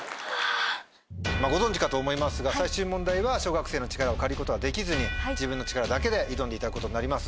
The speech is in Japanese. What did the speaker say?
ご存じかと思いますが最終問題は小学生の力を借りることはできずに自分の力だけで挑んでいただくことになりますが。